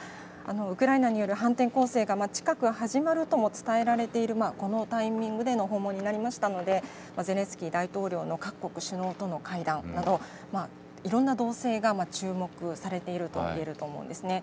ウクライナによる反転攻勢が近く始まるとも伝えられているこのタイミングでの訪問になりましたので、ゼレンスキー大統領の各国首脳との会談など、いろんな動静が注目されているといえると思うんですね。